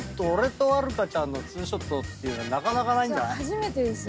初めてですよね。